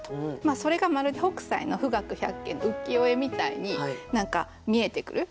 それがまるで北斎の「富嶽百景」の浮世絵みたいに見えてくる。